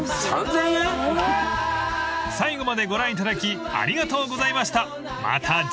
３，０００円⁉［最後までご覧いただきありがとうございました］